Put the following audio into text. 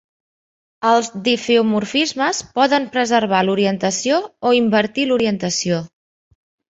Els difeomorfismes poden preservar l'orientació o invertir l'orientació.